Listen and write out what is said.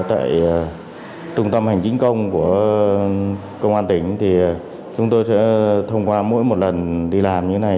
tại trung tâm hành chính công của công an tỉnh thì chúng tôi sẽ thông qua mỗi một lần đi làm như thế này